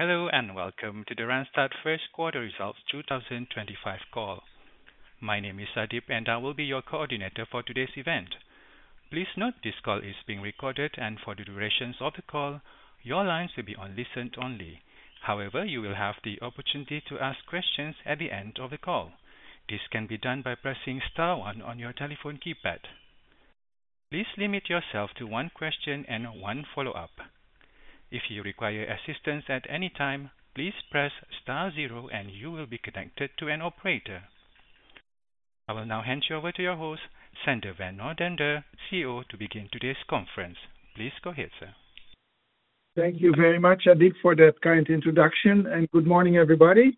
Hello and welcome to the Randstad First Quarter Results 2025 Call. My name is Adit, and I will be your coordinator for today's event. Please note this call is being recorded, and for the duration of the call, your lines will be on listen only. However, you will have the opportunity to ask questions at the end of the call. This can be done by pressing *1 on your telephone keypad. Please limit yourself to one question and one follow-up. If you require assistance at any time, please press *0, and you will be connected to an operator. I will now hand you over to your host, Sander van 't Noordende, CEO, to begin today's conference. Please go ahead, sir. Thank you very much, Adit, for that kind introduction, and good morning, everybody.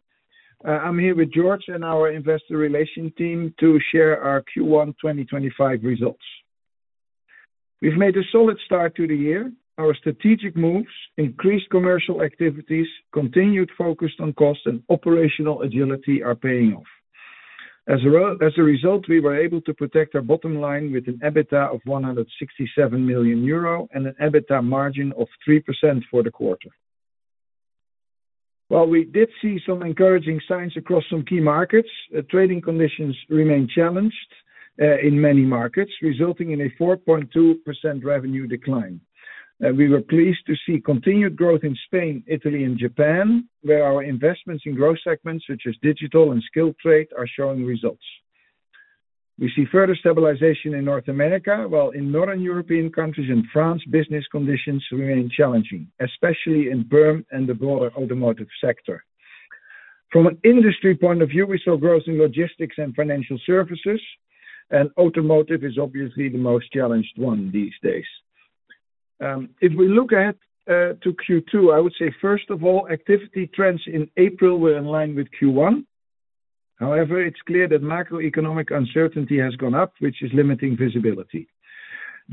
I'm here with Jorge and our investor relations team to share our Q1 2025 results. We've made a solid start to the year. Our strategic moves, increased commercial activities, and continued focus on cost and operational agility are paying off. As a result, we were able to protect our bottom line with an EBITDA of 167 million euro and an EBITDA margin of 3% for the quarter. While we did see some encouraging signs across some key markets, trading conditions remain challenged in many markets, resulting in a 4.2% revenue decline. We were pleased to see continued growth in Spain, Italy, and Japan, where our investments in growth segments such as digital and skilled trade are showing results. We see further stabilization in North America, while in Northern European countries and France, business conditions remain challenging, especially in Germany and the broader automotive sector. From an industry point of view, we saw growth in logistics and financial services, and automotive is obviously the most challenged one these days. If we look ahead to Q2, I would say, first of all, activity trends in April were in line with Q1. However, it is clear that macroeconomic uncertainty has gone up, which is limiting visibility.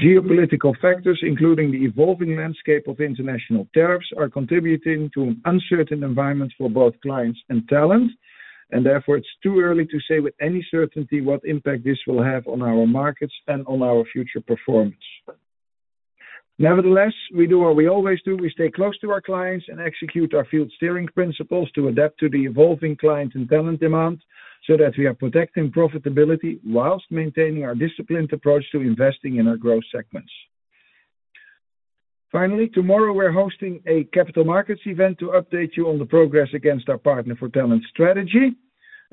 Geopolitical factors, including the evolving landscape of international tariffs, are contributing to an uncertain environment for both clients and talent. Therefore, it is too early to say with any certainty what impact this will have on our markets and on our future performance. Nevertheless, we do what we always do: we stay close to our clients and execute our field steering principles to adapt to the evolving client and talent demand so that we are protecting profitability whilst maintaining our disciplined approach to investing in our growth segments. Finally, tomorrow we are hosting a capital markets event to update you on the progress against our partner for talent strategy,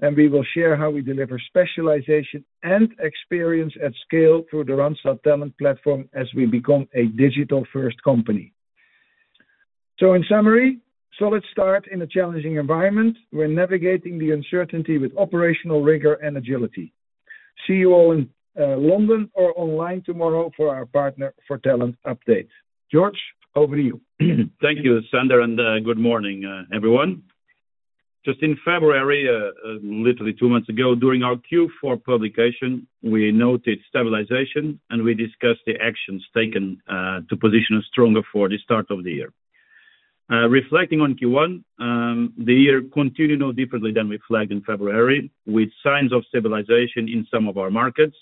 and we will share how we deliver specialization and experience at scale through the Randstad Talent Platform as we become a digital-first company. In summary, solid start in a challenging environment. We are navigating the uncertainty with operational rigor and agility. See you all in London or online tomorrow for our partner for talent updates. Jorge, over to you. Thank you, Sander, and good morning, everyone. Just in February, literally two months ago, during our Q4 publication, we noted stabilization, and we discussed the actions taken to position us stronger for the start of the year. Reflecting on Q1, the year continued no differently than we flagged in February, with signs of stabilization in some of our markets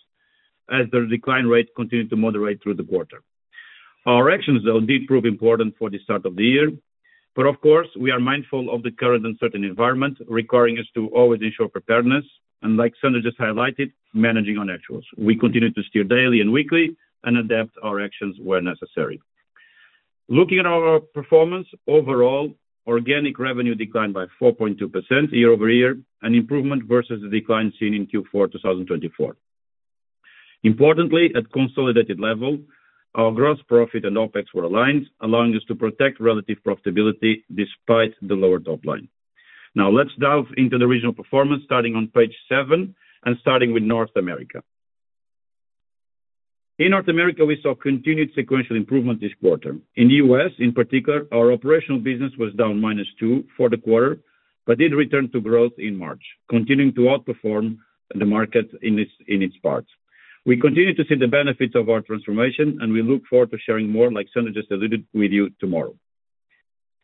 as the decline rate continued to moderate through the quarter. Our actions, though, did prove important for the start of the year. Of course, we are mindful of the current uncertain environment, requiring us to always ensure preparedness, and, like Sander just highlighted, managing on actuals. We continue to steer daily and weekly and adapt our actions where necessary. Looking at our performance overall, organic revenue declined by 4.2% year-over-year, an improvement versus the decline seen in Q4 2024. Importantly, at a consolidated level, our gross profit and OpEx were aligned, allowing us to protect relative profitability despite the lower top line. Now, let's delve into the regional performance, starting on page seven and starting with North America. In North America, we saw continued sequential improvement this quarter. In the US, in particular, our operational business was down minus two for the quarter but did return to growth in March, continuing to outperform the market in its parts. We continue to see the benefits of our transformation, and we look forward to sharing more, like Sander just alluded to, with you tomorrow.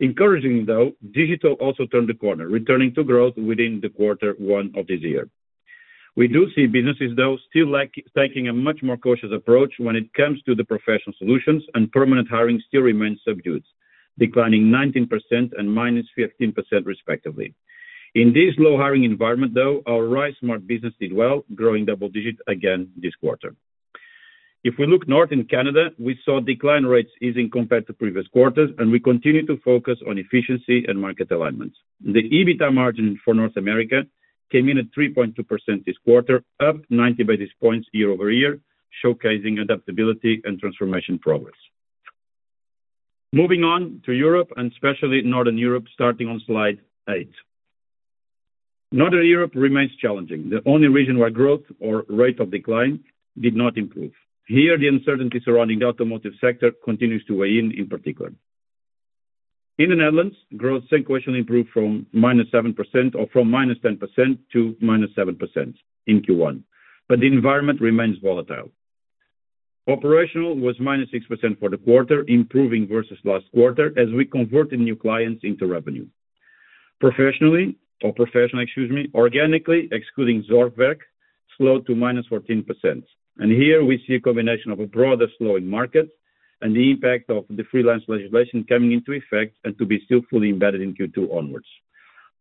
Encouraging, though, digital also turned the corner, returning to growth within the quarter one of this year. We do see businesses, though, still taking a much more cautious approach when it comes to the professional solutions, and permanent hiring still remains subdued, declining 19% and minus 15%, respectively. In this low-hiring environment, though, our RiseSmart business did well, growing double-digit again this quarter. If we look north in Canada, we saw decline rates easing compared to previous quarters, and we continue to focus on efficiency and market alignment. The EBITDA margin for North America came in at 3.2% this quarter, up 90 basis points year-over-year, showcasing adaptability and transformation progress. Moving on to Europe and especially Northern Europe, starting on slide eight. Northern Europe remains challenging, the only region where growth or rate of decline did not improve. Here, the uncertainty surrounding the automotive sector continues to weigh in, in particular. In the Netherlands, growth sequentially improved from -10% to -7% in Q1, but the environment remains volatile. Operational was -6% for the quarter, improving versus last quarter as we converted new clients into revenue. Professionally, or professionally, excuse me, organically, excluding Zorgwerk, slowed to -14%. Here, we see a combination of a broader slow in markets and the impact of the freelance legislation coming into effect and to be still fully embedded in Q2 onwards.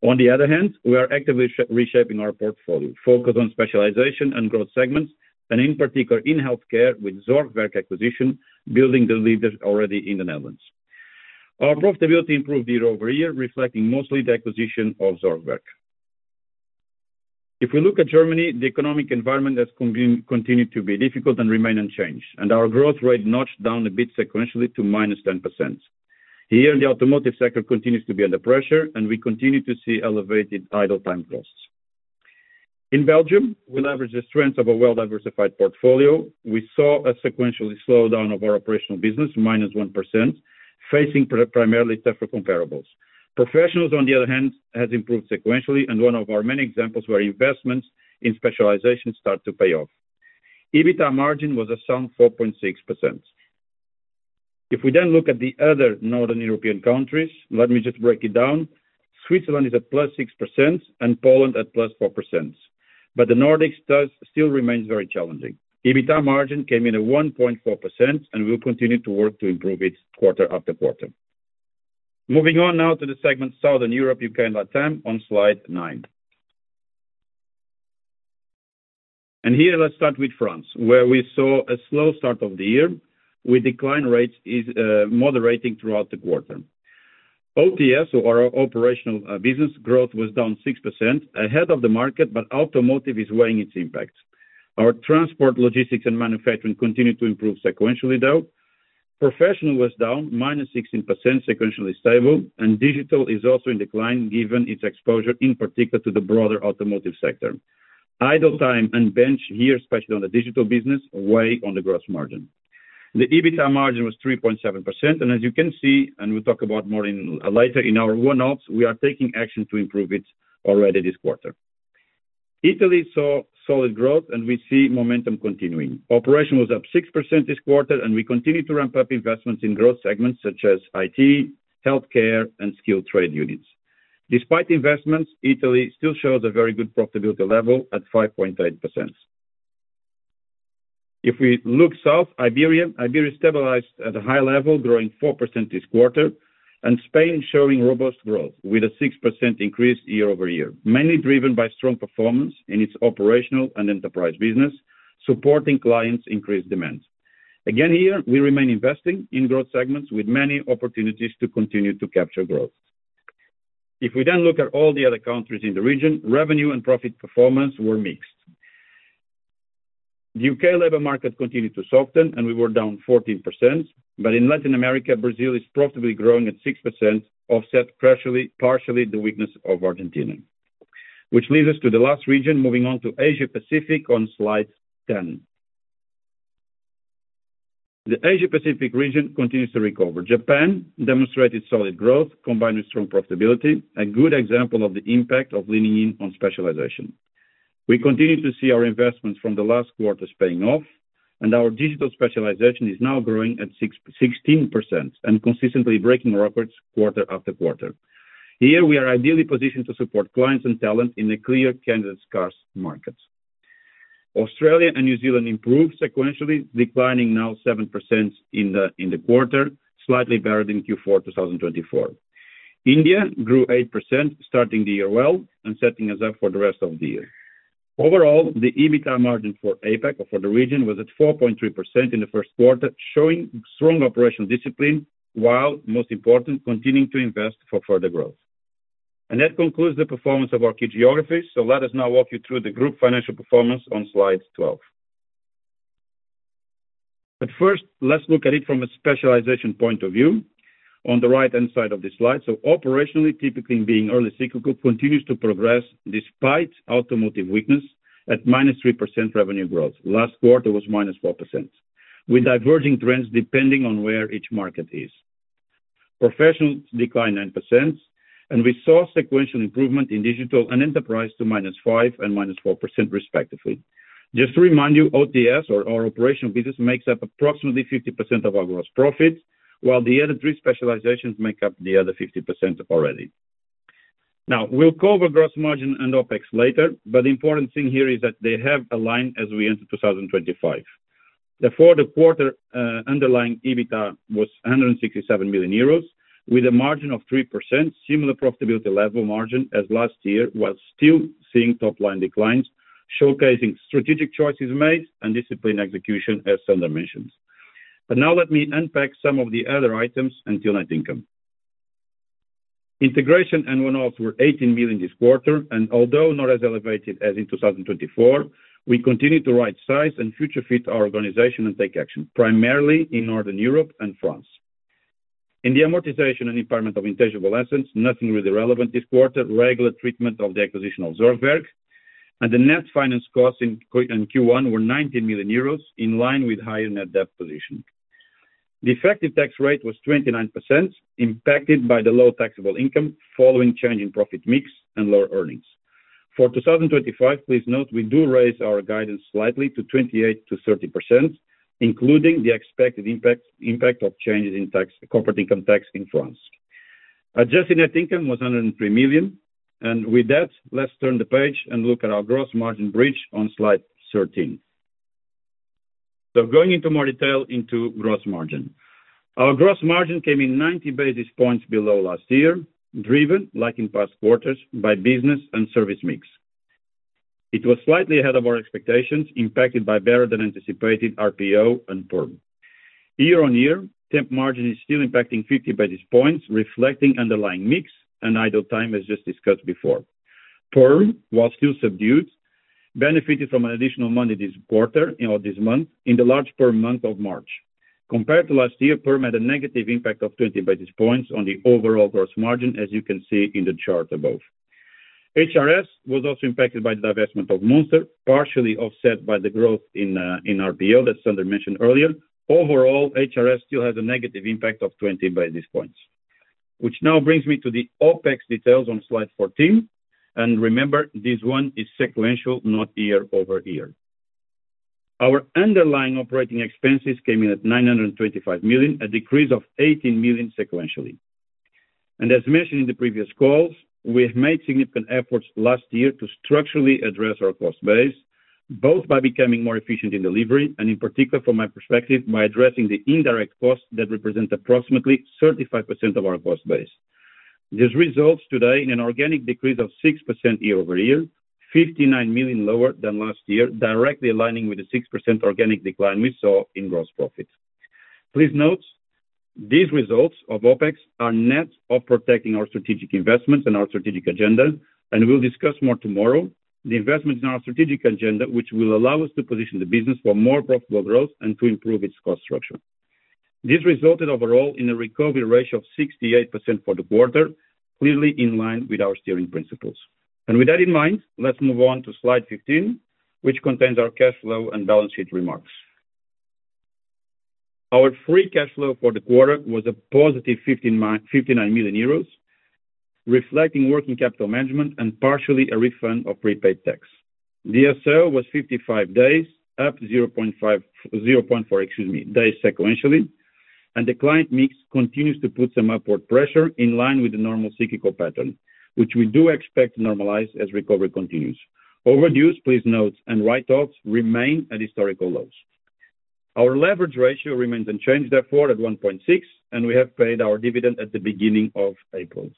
On the other hand, we are actively reshaping our portfolio, focused on specialization and growth segments, and in particular in healthcare, with Zorgwerk acquisition building the leaders already in the Netherlands. Our profitability improved year-over-year, reflecting mostly the acquisition of Zorgwerk. If we look at Germany, the economic environment has continued to be difficult and remain unchanged, and our growth rate notched down a bit sequentially to -10%. Here, the automotive sector continues to be under pressure, and we continue to see elevated idle time costs. In Belgium, we leverage the strength of a well-diversified portfolio. We saw a sequentially slowdown of our operational business, -1%, facing primarily tougher comparables. Professionals, on the other hand, have improved sequentially, and one of our many examples where investments in specialization start to pay off. EBITDA margin was a sound 4.6%. If we then look at the other Northern European countries, let me just break it down. Switzerland is at +6%, and Poland at +4%. The Nordics still remain very challenging. EBITDA margin came in at 1.4%, and we will continue to work to improve it quarter after quarter. Moving on now to the segment Southern Europe, U.K., and LatAm on slide nine. Here, let's start with France, where we saw a slow start of the year with decline rates moderating throughout the quarter. OTS, or our operational business, growth was down 6% ahead of the market, but automotive is weighing its impact. Our transport, logistics, and manufacturing continue to improve sequentially, though. Professional was down minus 16%, sequentially stable, and digital is also in decline given its exposure, in particular, to the broader automotive sector. Idle time and bench here, especially on the digital business, weigh on the gross margin. The EBITDA margin was 3.7%, and as you can see, and we will talk about more later in our one-offs, we are taking action to improve it already this quarter. Italy saw solid growth, and we see momentum continuing. Operation was up 6% this quarter, and we continue to ramp up investments in growth segments such as IT, healthcare, and skilled trade units. Despite investments, Italy still shows a very good profitability level at 5.8%. If we look south, Iberia stabilized at a high level, growing 4% this quarter, and Spain showing robust growth with a 6% increase year-over-year, mainly driven by strong performance in its operational and enterprise business, supporting clients' increased demand. Again, here, we remain investing in growth segments with many opportunities to continue to capture growth. If we then look at all the other countries in the region, revenue and profit performance were mixed. The U.K. labor market continued to soften, and we were down 14%, but in Latin America, Brazil is profitably growing at 6%, offsetting partially the weakness of Argentina, which leads us to the last region, moving on to Asia-Pacific on slide ten. The Asia-Pacific region continues to recover. Japan demonstrated solid growth combined with strong profitability, a good example of the impact of leaning in on specialization. We continue to see our investments from the last quarter paying off, and our digital specialization is now growing at 16% and consistently breaking records quarter after quarter. Here, we are ideally positioned to support clients and talent in the clear candidate scarce markets. Australia and New Zealand improved sequentially, declining now 7% in the quarter, slightly better than Q4 2024. India grew 8%, starting the year well and setting us up for the rest of the year. Overall, the EBITDA margin for APAC or for the region was at 4.3% in the first quarter, showing strong operational discipline, while, most important, continuing to invest for further growth. That concludes the performance of our key geographies, so let us now walk you through the group financial performance on slide twelve. First, let's look at it from a specialization point of view on the right-hand side of the slide. Operationally, typically being early cyclical, continues to progress despite automotive weakness at -3% revenue growth. Last quarter was -4%, with diverging trends depending on where each market is. Professionals declined 9%, and we saw sequential improvement in digital and enterprise to -5% and -4%, respectively. Just to remind you, OTS, or our operational business, makes up approximately 50% of our gross profit, while the other three specializations make up the other 50% already. Now, we'll cover gross margin and OpEx later, but the important thing here is that they have aligned as we enter 2025. The fourth quarter underlying EBITDA was 167 million euros, with a margin of 3%, similar profitability level margin as last year, while still seeing top-line declines, showcasing strategic choices made and discipline execution, as Sander mentioned. Now let me unpack some of the other items and to net income. Integration and one-offs were 18 million this quarter, and although not as elevated as in 2024, we continue to right-size and future-fit our organization and take action, primarily in Northern Europe and France. In the amortization and impairment of intangible assets, nothing really relevant this quarter, regular treatment of the acquisition of Zorgwerk, and the net finance costs in Q1 were 19 million euros, in line with higher net debt position. The effective tax rate was 29%, impacted by the low taxable income following change in profit mix and lower earnings. For 2025, please note we do raise our guidance slightly to 28%-30%, including the expected impact of changes in corporate income tax in France. Adjusted net income was 103 million, and with that, let's turn the page and look at our gross margin bridge on slide 13. Going into more detail into gross margin, our gross margin came in 90 basis points below last year, driven, like in past quarters, by business and service mix. It was slightly ahead of our expectations, impacted by better than anticipated RPO and perm. Year on year, temp margin is still impacting 50 basis points, reflecting underlying mix and idle time, as just discussed before. perm, while still subdued, benefited from additional money this quarter or this month in the large perm month of March. Compared to last year, perm had a negative impact of 20 basis points on the overall gross margin, as you can see in the chart above. HRS was also impacted by the divestment of Monster, partially offset by the growth in RPO that Sander mentioned earlier. Overall, HRS still has a negative impact of 20 basis points, which now brings me to the OpEx details on slide 14. Remember, this one is sequential, not year-over-year. Our underlying operating expenses came in at 925 million, a decrease of 18 million sequentially. As mentioned in the previous calls, we have made significant efforts last year to structurally address our cost base, both by becoming more efficient in delivery and, in particular, from my perspective, by addressing the indirect costs that represent approximately 35% of our cost base. This results today in an organic decrease of 6% year-over-year, 59 million lower than last year, directly aligning with the 6% organic decline we saw in gross profit. Please note, these results of OpEx are net of protecting our strategic investments and our strategic agenda, and we will discuss more tomorrow, the investments in our strategic agenda, which will allow us to position the business for more profitable growth and to improve its cost structure. This resulted overall in a recovery ratio of 68% for the quarter, clearly in line with our steering principles. With that in mind, let's move on to slide 15, which contains our cash flow and balance sheet remarks. Our free cash flow for the quarter was a positive 59 million euros, reflecting working capital management and partially a refund of prepaid tax. DSO was 55 days, up 0.4 days sequentially, and the client mix continues to put some upward pressure in line with the normal cyclical pattern, which we do expect to normalize as recovery continues. Overdues, please note, and write-offs remain at historical lows. Our leverage ratio remains unchanged, therefore at 1.6, and we have paid our dividend at the beginning of April.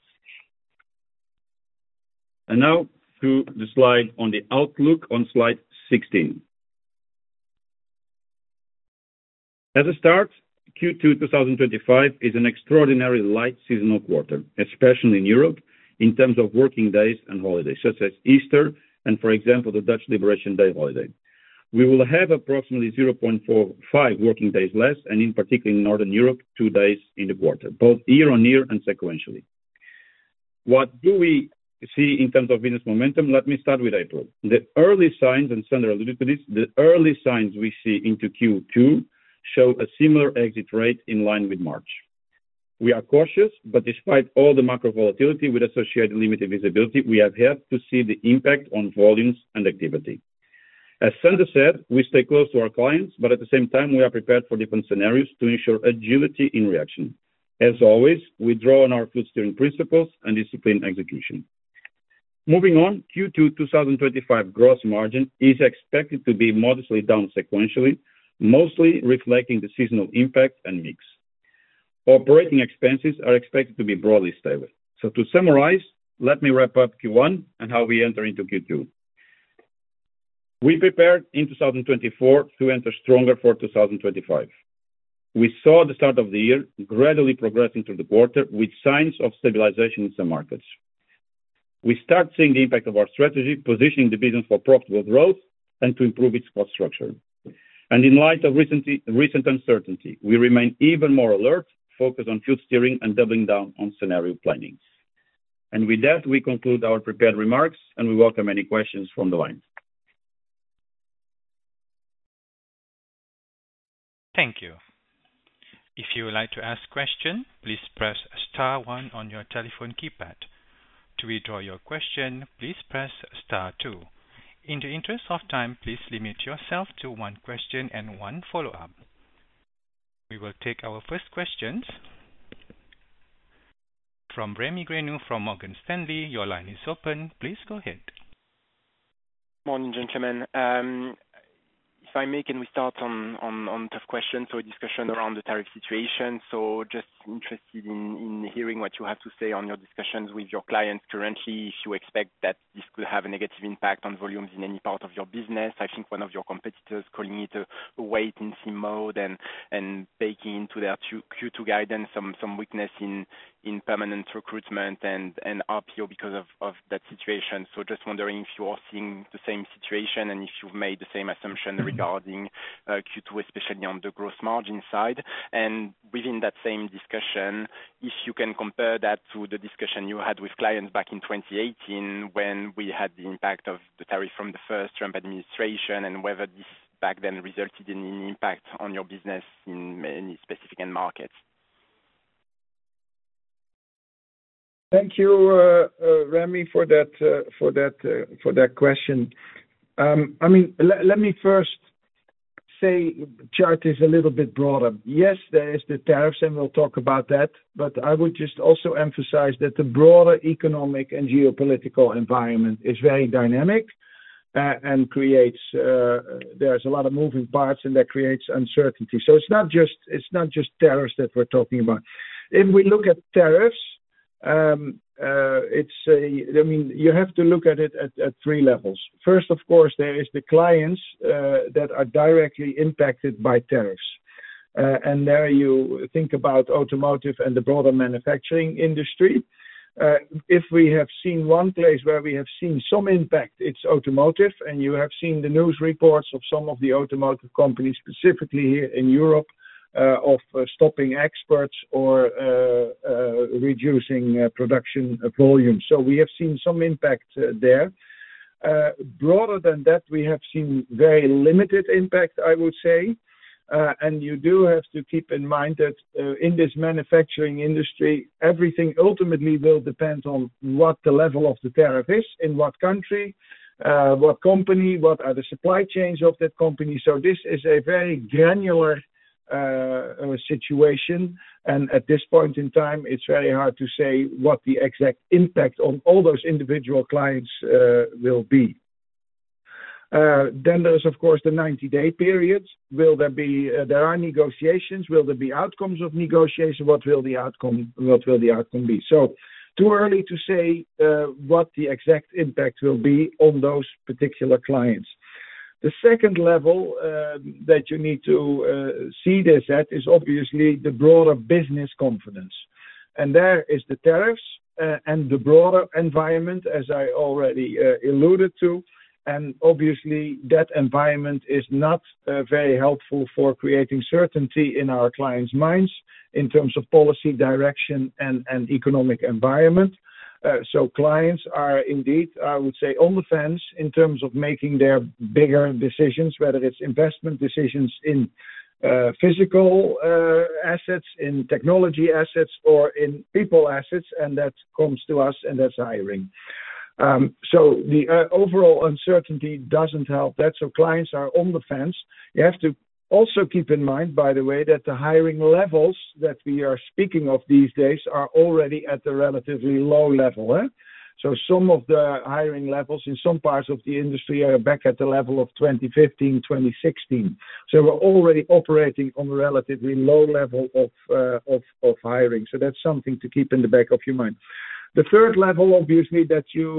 Now to the slide on the outlook on slide 16. As a start, Q2 2025 is an extraordinarily light seasonal quarter, especially in Europe, in terms of working days and holidays, such as Easter and, for example, the Dutch Liberation Day holiday. We will have approximately 0.45 working days less, and in particular in Northern Europe, two days in the quarter, both year on year and sequentially. What do we see in terms of business momentum? Let me start with April. The early signs, and Sander alluded to this, the early signs we see into Q2 show a similar exit rate in line with March. We are cautious, but despite all the macro volatility with associated limited visibility, we have had to see the impact on volumes and activity. As Sander said, we stay close to our clients, but at the same time, we are prepared for different scenarios to ensure agility in reaction. As always, we draw on our core steering principles and disciplined execution. Moving on, Q2 2025 gross margin is expected to be modestly down sequentially, mostly reflecting the seasonal impact and mix. Operating expenses are expected to be broadly stable. To summarize, let me wrap up Q1 and how we enter into Q2. We prepared in 2024 to enter stronger for 2025. We saw the start of the year gradually progressing through the quarter with signs of stabilization in some markets. We start seeing the impact of our strategy, positioning the business for profitable growth and to improve its cost structure. In light of recent uncertainty, we remain even more alert, focused on core steering and doubling down on scenario planning. With that, we conclude our prepared remarks, and we welcome any questions from the line. Thank you. If you would like to ask a question, please press *1 on your telephone keypad. To withdraw your question, please press *2. In the interest of time, please limit yourself to one question and one follow-up. We will take our first questions from Remi Grenu from Morgan Stanley. Your line is open. Please go ahead. Good morning, gentlemen. If I may, can we start on tough questions or discussion around the tariff situation? Just interested in hearing what you have to say on your discussions with your clients currently, if you expect that this could have a negative impact on volumes in any part of your business. I think one of your competitors is calling it a wait-and-see mode and baking into their Q2 guidance some weakness in permanent recruitment and RPO because of that situation. Just wondering if you are seeing the same situation and if you've made the same assumption regarding Q2, especially on the gross margin side. Within that same discussion, if you can compare that to the discussion you had with clients back in 2018 when we had the impact of the tariff from the first Trump administration and whether this back then resulted in an impact on your business in many specific markets. Thank you, Remi, for that question. I mean, let me first say the chart is a little bit broader. Yes, there is the tariffs, and we'll talk about that, but I would just also emphasize that the broader economic and geopolitical environment is very dynamic and creates there's a lot of moving parts and that creates uncertainty. It is not just tariffs that we're talking about. If we look at tariffs, I mean, you have to look at it at three levels. First, of course, there are the clients that are directly impacted by tariffs. There you think about automotive and the broader manufacturing industry. If we have seen one place where we have seen some impact, it's automotive, and you have seen the news reports of some of the automotive companies, specifically here in Europe, of stopping exports or reducing production volumes. We have seen some impact there. Broader than that, we have seen very limited impact, I would say. You do have to keep in mind that in this manufacturing industry, everything ultimately will depend on what the level of the tariff is in what country, what company, what are the supply chains of that company. This is a very granular situation, and at this point in time, it's very hard to say what the exact impact on all those individual clients will be. There is, of course, the 90-day period. Will there be negotiations? Will there be outcomes of negotiation? What will the outcome be? Too early to say what the exact impact will be on those particular clients. The second level that you need to see this at is obviously the broader business confidence. There are the tariffs and the broader environment, as I already alluded to. Obviously, that environment is not very helpful for creating certainty in our clients' minds in terms of policy direction and economic environment. Clients are indeed, I would say, on the fence in terms of making their bigger decisions, whether it's investment decisions in physical assets, in technology assets, or in people assets, and that comes to us, and that's hiring. The overall uncertainty doesn't help that. Clients are on the fence. You have to also keep in mind, by the way, that the hiring levels that we are speaking of these days are already at a relatively low level. Some of the hiring levels in some parts of the industry are back at the level of 2015, 2016. We're already operating on a relatively low level of hiring. That's something to keep in the back of your mind. The third level, obviously, that you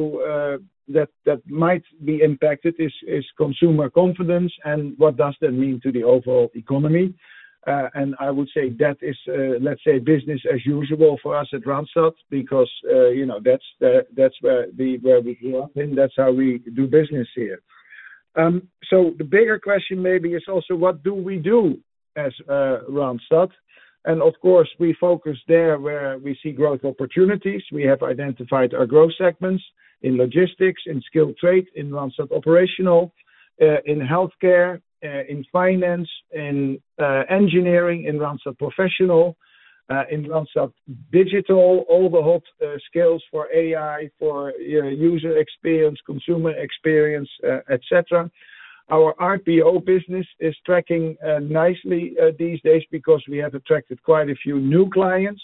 that might be impacted is consumer confidence and what does that mean to the overall economy. I would say that is, let's say, business as usual for us at Randstad because that's where we grew up in. That's how we do business here. The bigger question maybe is also, what do we do as Randstad? Of course, we focus there where we see growth opportunities. We have identified our growth segments in logistics, in skilled trade, in Randstad Operational, in healthcare, in finance, in engineering, in Randstad Professionals, in Randstad Digital, all the hot skills for AI, for user experience, consumer experience, etc. Our RPO business is tracking nicely these days because we have attracted quite a few new clients.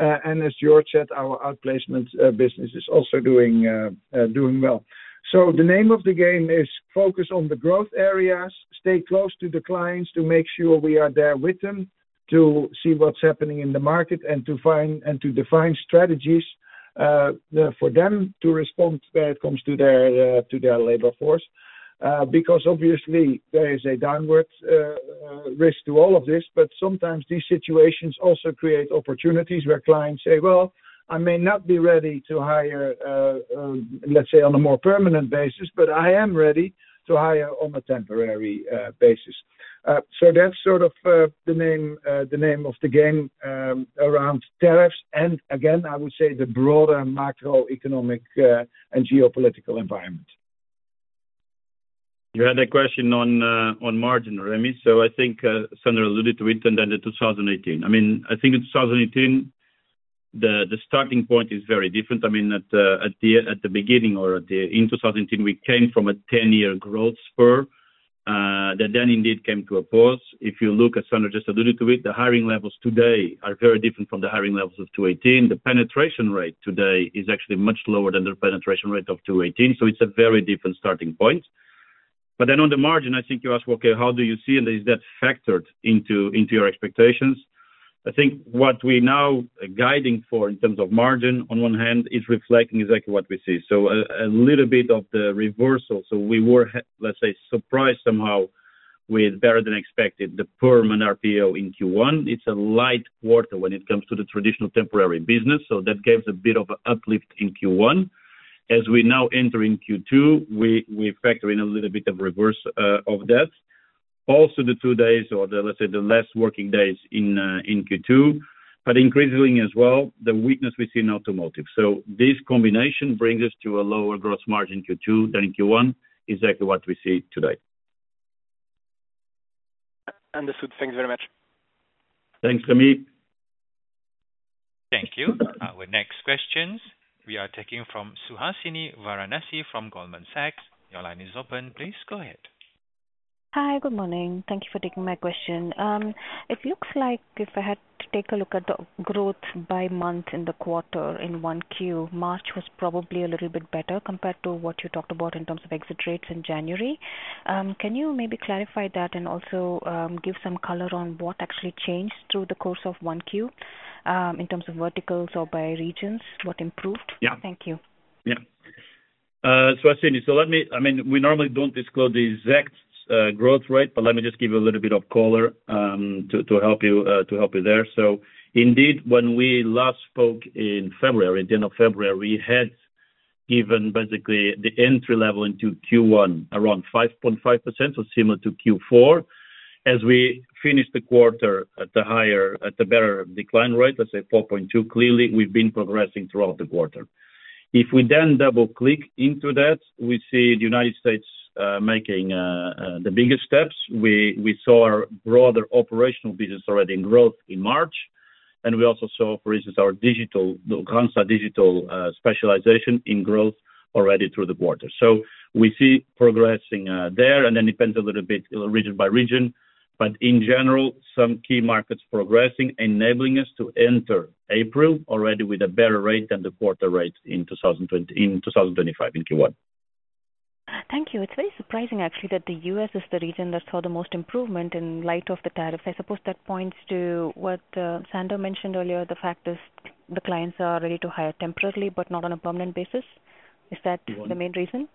As Jorge said, our outplacement business is also doing well. The name of the game is focus on the growth areas, stay close to the clients to make sure we are there with them to see what is happening in the market and to find and to define strategies for them to respond when it comes to their labor force. Because obviously, there is a downward risk to all of this, but sometimes these situations also create opportunities where clients say, well, I may not be ready to hire, let's say, on a more permanent basis, but I am ready to hire on a temporary basis. That is sort of the name of the game around tariffs. Again, I would say the broader macroeconomic and geopolitical environment. You had a question on margin, Remi. I think Sander alluded to it and then the 2018. I mean, I think in 2018, the starting point is very different. I mean, at the beginning or in 2018, we came from a 10-year growth spur that then indeed came to a pause. If you look at Sander just alluded to it, the hiring levels today are very different from the hiring levels of 2018. The penetration rate today is actually much lower than the penetration rate of 2018. It is a very different starting point. On the margin, I think you asked, okay, how do you see and is that factored into your expectations? I think what we are now guiding for in terms of margin, on one hand, is reflecting exactly what we see. A little bit of the reversal. We were, let's say, surprised somehow with better than expected, the permanent RPO in Q1. It is a light quarter when it comes to the traditional temporary business. That gives a bit of an uplift in Q1. As we now enter in Q2, we factor in a little bit of reverse of that. Also, the two days or the, let's say, the less working days in Q2, but increasingly as well, the weakness we see in automotive. This combination brings us to a lower gross margin Q2 than in Q1, exactly what we see today. Understood. Thanks very much. Thanks, Remi. Thank you. Our next questions, we are taking from Suhasini Varanasi from Goldman Sachs. Your line is open. Please go ahead. Hi, good morning. Thank you for taking my question. It looks like if I had to take a look at the growth by month in the quarter in 1Q, March was probably a little bit better compared to what you talked about in terms of exit rates in January. Can you maybe clarify that and also give some color on what actually changed through the course of 1Q in terms of verticals or by regions? What improved? Yeah. Thank you. Yeah. Suhasini, so let me, I mean, we normally don't disclose the exact growth rate, but let me just give you a little bit of color to help you there. So, indeed, when we last spoke in February, at the end of February, we had given basically the entry level into Q1 around 5.5% or similar to Q4. As we finished the quarter at the higher, at the better decline rate, let's say 4.2%, clearly we've been progressing throughout the quarter. If we then double-click into that, we see the US making the biggest steps. We saw our broader operational business already in growth in March. We also saw, for instance, our digital, the Randstad Digital specialization in growth already through the quarter. We see progressing there. It depends a little bit region by region. In general, some key markets progressing, enabling us to enter April already with a better rate than the quarter rate in 2025 in Q1. Thank you. It's very surprising, actually, that the US is the region that saw the most improvement in light of the tariffs. I suppose that points to what Sander mentioned earlier, the fact that the clients are ready to hire temporarily, but not on a permanent basis. Is that the main reason?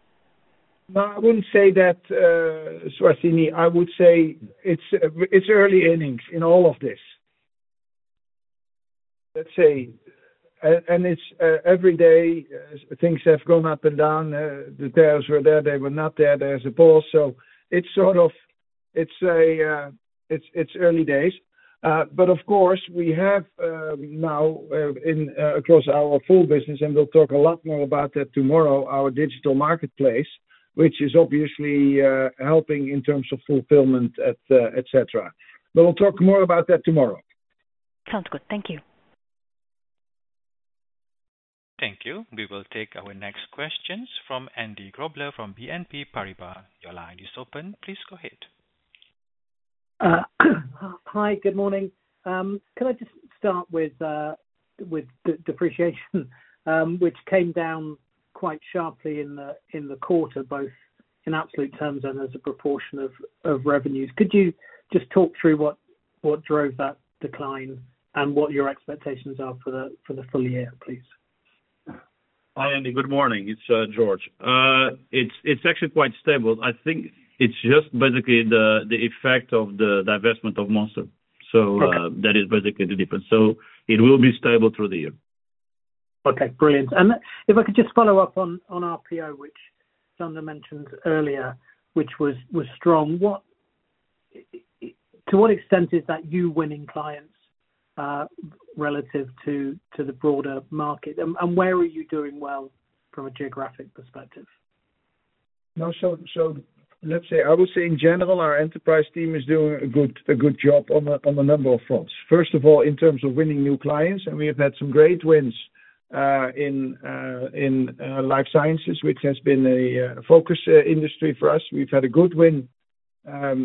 No, I wouldn't say that, Suhasini. I would say it's early earnings in all of this. Let's say, and it's every day, things have gone up and down. The tariffs were there, they were not there, there's a pause. It's early days. Of course, we have now across our full business, and we'll talk a lot more about that tomorrow, our digital marketplace, which is obviously helping in terms of fulfillment, etc. We'll talk more about that tomorrow. Sounds good. Thank you. Thank you. We will take our next questions from Andy Grobler from BNP Paribas. Your line is open. Please go ahead. Hi, good morning. Can I just start with depreciation, which came down quite sharply in the quarter, both in absolute terms and as a proportion of revenues. Could you just talk through what drove that decline and what your expectations are for the full year, please? Hi, Andy. Good morning. It's Jorge. It's actually quite stable. I think it's just basically the effect of the divestment of Monster. That is basically the difference. It will be stable through the year. Okay. Brilliant. If I could just follow up on RPO, which Sander mentioned earlier, which was strong, to what extent is that you winning clients relative to the broader market? Where are you doing well from a geographic perspective? No, let's say, I would say in general, our enterprise team is doing a good job on a number of fronts. First of all, in terms of winning new clients, and we have had some great wins in life sciences, which has been a focus industry for us. We've had a good win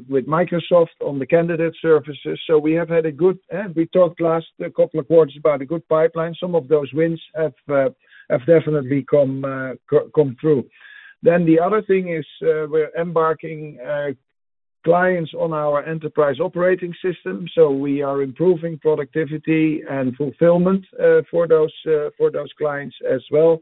with Microsoft on the candidate services. We have had a good, we talked last couple of quarters about a good pipeline. Some of those wins have definitely come through. The other thing is we're embarking clients on our enterprise operating system. We are improving productivity and fulfillment for those clients as well.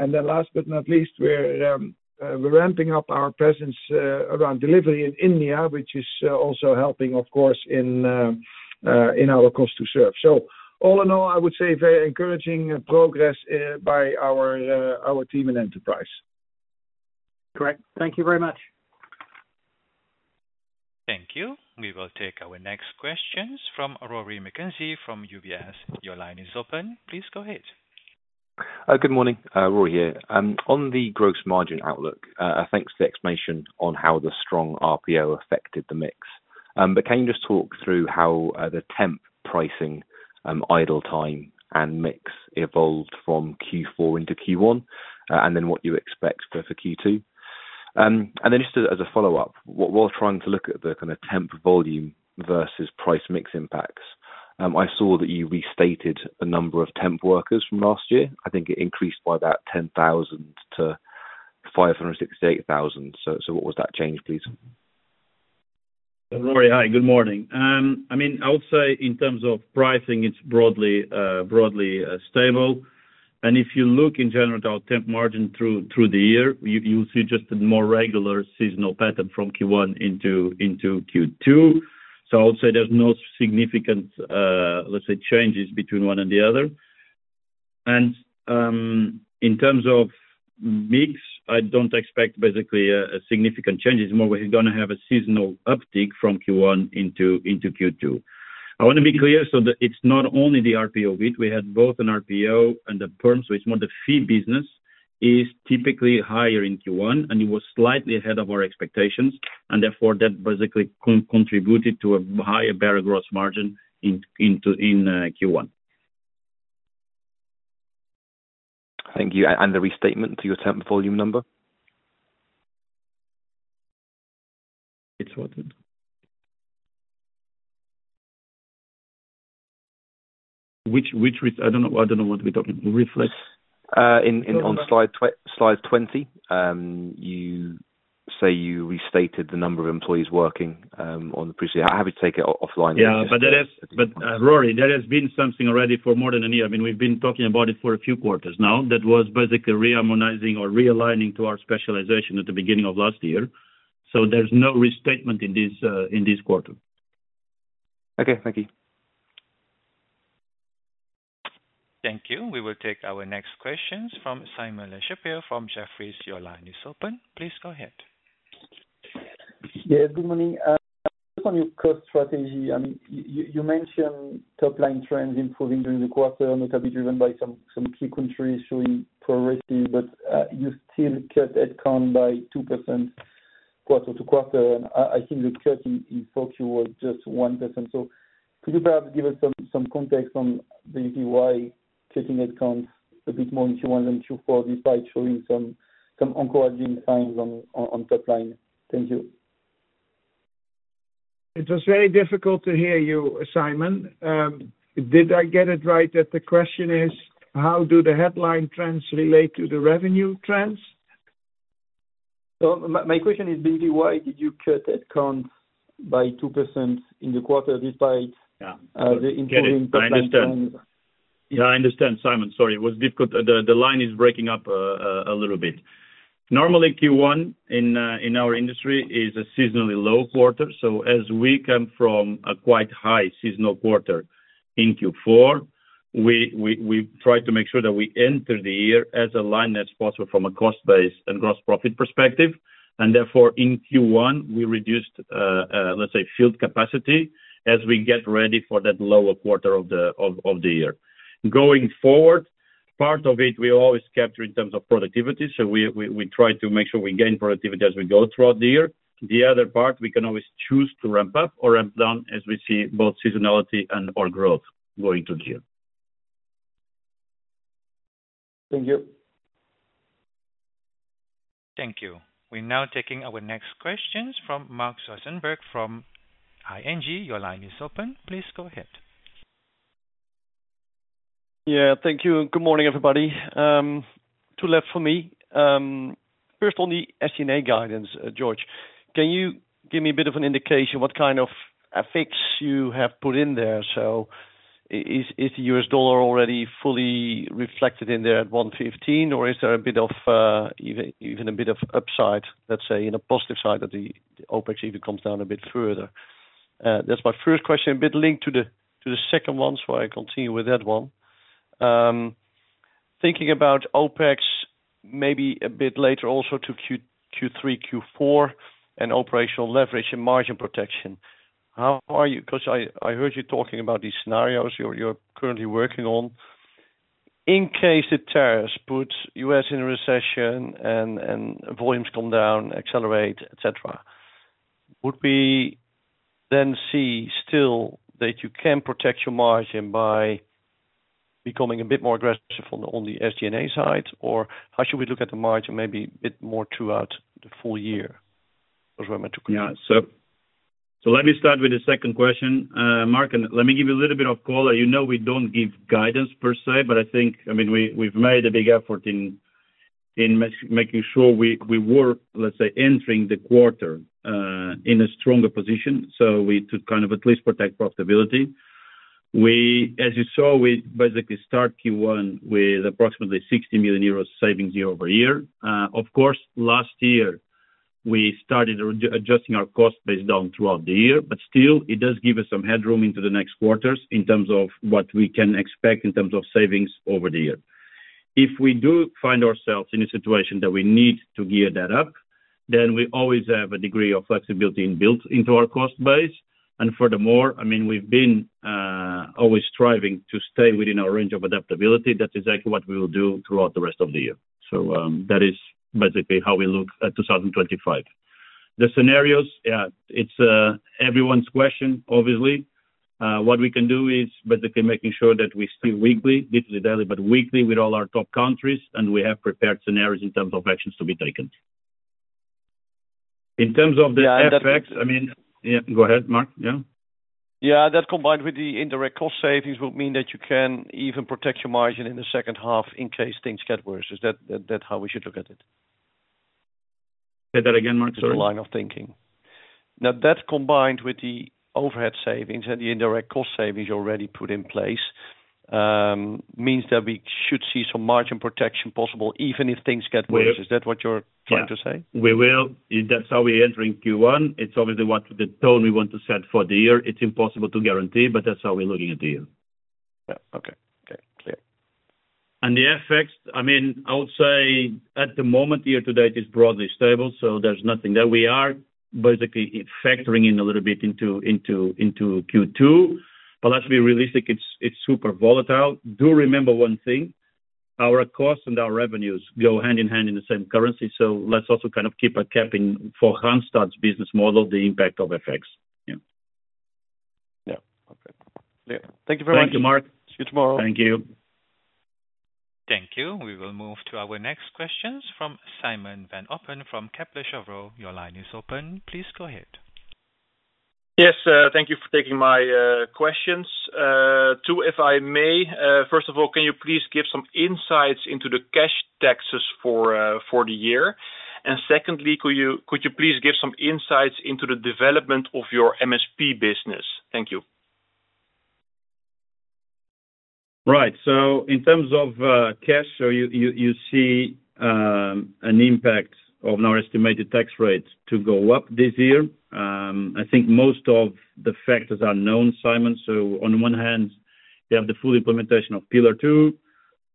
Last but not least, we're ramping up our presence around delivery in India, which is also helping, of course, in our cost to serve. All in all, I would say very encouraging progress by our team in enterprise. Great. Thank you very much. Thank you. We will take our next questions from Rory McKenzie from UBS. Your line is open. Please go ahead. Good morning. Rory here. On the gross margin outlook, thanks for the explanation on how the strong RPO affected the mix. Can you just talk through how the temp pricing, idle time, and mix evolved from Q4 into Q1, and then what you expect for Q2? Just as a follow-up, while trying to look at the kind of temp volume versus price mix impacts, I saw that you restated the number of temp workers from last year. I think it increased by about 10,000 to 568,000. What was that change, please? Rory, hi. Good morning. I mean, I would say in terms of pricing, it's broadly stable. If you look in general at our temp margin through the year, you'll see just a more regular seasonal pattern from Q1 into Q2. I would say there's no significant, let's say, changes between one and the other. In terms of mix, I don't expect basically a significant change. It's more we're going to have a seasonal uptick from Q1 into Q2. I want to be clear. It's not only the RPO bit. We had both an RPO and a perm. It is more the fee business is typically higher in Q1, and it was slightly ahead of our expectations. That basically contributed to a higher, better gross margin in Q1. Thank you. The restatement to your temp volume number? It is what? Which I do not know what we are talking about. Reflect. On slide 20, you say you restated the number of employees working on the previous year. Have you taken it offline? Yeah. Rory, there has been something already for more than a year. I mean, we have been talking about it for a few quarters now. That was basically reharmonizing or realigning to our specialization at the beginning of last year. There is no restatement in this quarter. Okay. Thank you. Thank you. We will take our next questions from Simon LeChipre from Jefferies. Your line is open. Please go ahead. Yeah. Good morning. Just on your cost strategy, I mean, you mentioned top-line trends improving during the quarter, notably driven by some key countries showing progressive, but you still kept headcount by 2% quarter to quarter. I think the cut in 4Q was just 1%. Could you perhaps give us some context on basically why cutting headcount a bit more in Q1 than Q4 despite showing some encouraging signs on top line? Thank you. It was very difficult to hear you, Simon. Did I get it right that the question is, how do the headline trends relate to the revenue trends? My question is basically why did you cut headcount by 2% in the quarter despite the improving top-line trends? Yeah, I understand. Simon, sorry. It was difficult. The line is breaking up a little bit. Normally, Q1 in our industry is a seasonally low quarter. As we come from a quite high seasonal quarter in Q4, we try to make sure that we enter the year as aligned as possible from a cost-based and gross profit perspective. Therefore, in Q1, we reduced, let's say, field capacity as we get ready for that lower quarter of the year. Going forward, part of it we always capture in terms of productivity. We try to make sure we gain productivity as we go throughout the year. The other part, we can always choose to ramp up or ramp down as we see both seasonality and/or growth going through the year. Thank you. Thank you. We're now taking our next questions from Marc Zwartsenburg from ING. Your line is open. Please go ahead. Yeah. Thank you. Good morning, everybody. Two left for me. First, on the S&A guidance, Jorge, can you give me a bit of an indication what kind of effects you have put in there? Is the US dollar already fully reflected in there at 115, or is there even a bit of upside, let's say, on the positive side that the OpEx even comes down a bit further? That's my first question, a bit linked to the second one, so I continue with that one. Thinking about OpEx maybe a bit later also to Q3, Q4, and operational leverage and margin protection. How are you? Because I heard you talking about these scenarios you're currently working on. In case the tariffs put US in a recession and volumes come down, accelerate, etc., would we then see still that you can protect your margin by becoming a bit more aggressive on the SG&A side, or how should we look at the margin maybe a bit more throughout the full year? That was what I meant to. Yeah. Let me start with the second question. Marc, let me give you a little bit of color. You know we do not give guidance per se, but I think, I mean, we have made a big effort in making sure we were, let's say, entering the quarter in a stronger position. We took kind of at least protect profitability. As you saw, we basically start Q1 with approximately 60 million euros savings year-over-year. Of course, last year, we started adjusting our cost base down throughout the year, but still, it does give us some headroom into the next quarters in terms of what we can expect in terms of savings over the year. If we do find ourselves in a situation that we need to gear that up, we always have a degree of flexibility built into our cost base. Furthermore, I mean, we've been always striving to stay within our range of adaptability. That's exactly what we will do throughout the rest of the year. That is basically how we look at 2025. The scenarios, yeah, it's everyone's question, obviously. What we can do is basically making sure that we still weekly, literally daily, but weekly with all our top countries, and we have prepared scenarios in terms of actions to be taken. In terms of the effects, I mean, yeah, go ahead, Marc. Yeah. Yeah. That combined with the indirect cost savings will mean that you can even protect your margin in the second half in case things get worse. Is that how we should look at it? Say that again, Marc. Sorry. Line of thinking. Now, that combined with the overhead savings and the indirect cost savings already put in place means that we should see some margin protection possible even if things get worse. Is that what you're trying to say? We will. That's how we're entering Q1. It's obviously what the tone we want to set for the year. It's impossible to guarantee, but that's how we're looking at the year. Yeah. Okay. Okay. Clear. And the effects, I mean, I would say at the moment year to date, it's broadly stable. There is nothing there. We are basically factoring in a little bit into Q2, but let's be realistic, it's super volatile. Do remember one thing. Our costs and our revenues go hand in hand in the same currency. Let's also kind of keep a cap in for Randstad's business model, the impact of FX. Yeah. Yeah. Perfect. Clear. Thank you very much. Thank you, Mark. See you tomorrow. Thank you. Thank you. We will move to our next questions from Simon Van Oppen from Kepler Cheuvreux. Your line is open. Please go ahead. Yes. Thank you for taking my questions. Two, if I may, first of all, can you please give some insights into the cash taxes for the year? And secondly, could you please give some insights into the development of your MSP business? Thank you. Right. In terms of cash, you see an impact of our estimated tax rate to go up this year. I think most of the factors are known, Simon. On the one hand, you have the full implementation of Pillar 2.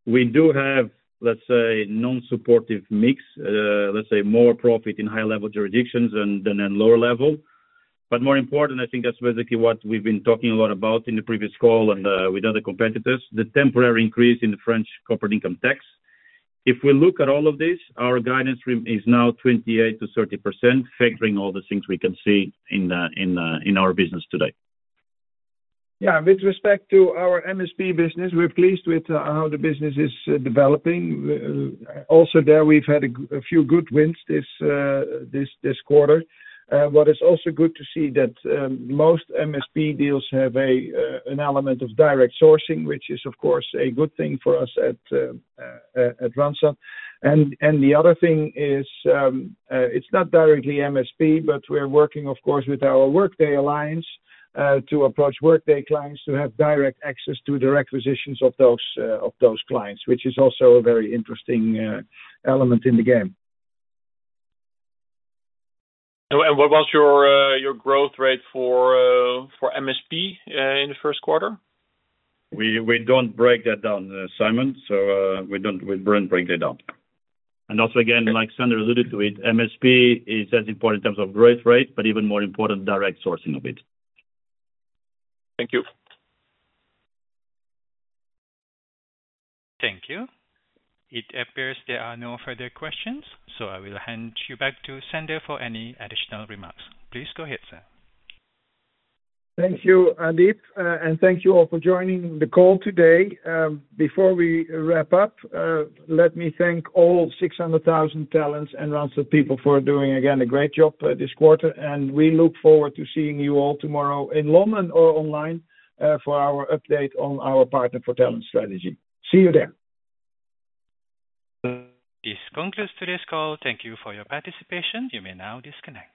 We do have, let's say, non-supportive mix, let's say, more profit in high-level jurisdictions than in lower level. More important, I think that's basically what we've been talking a lot about in the previous call and with other competitors, the temporary increase in the French corporate income tax. If we look at all of this, our guidance is now 28%-30%, factoring all the things we can see in our business today. Yeah. With respect to our MSP business, we're pleased with how the business is developing. Also, there we've had a few good wins this quarter. What is also good to see is that most MSP deals have an element of direct sourcing, which is, of course, a good thing for us at Randstad. The other thing is it's not directly MSP, but we're working, of course, with our Workday Alliance to approach Workday clients to have direct access to the requisitions of those clients, which is also a very interesting element in the game. What was your growth rate for MSP in the first quarter? We don't break that down, Simon. We don't break that down. Also, again, like Sander alluded to, MSP is as important in terms of growth rate, but even more important, direct sourcing of it. Thank you. Thank you. It appears there are no further questions, so I will hand you back to Sander for any additional remarks. Please go ahead, sir. Thank you, Adit. Thank you all for joining the call today. Before we wrap up, let me thank all 600,000 talents and Randstad people for doing, again, a great job this quarter. We look forward to seeing you all tomorrow in London or online for our update on our partner for talent strategy. See you there. This concludes today's call. Thank you for your participation. You may now disconnect.